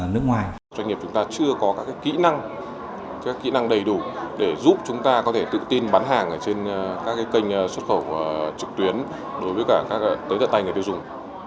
doanh nghiệp chúng ta chưa có các kỹ năng đầy đủ để giúp chúng ta có thể tự tin bán hàng trên các kênh xuất khẩu trực tuyến đối với các tới tận tay người tiêu dùng